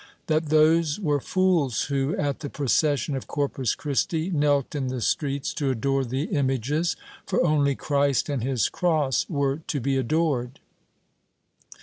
— That those were fools who, at the procession of Corpus Christi, knelt in the streets to adore the images, for only Christ and his cross were to be adored.